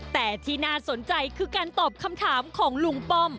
แต่ที่น่าสนใจคือการตอบคำถามของลุงป้อม